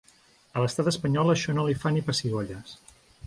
A l’estat espanyol això no li fa ni pessigolles.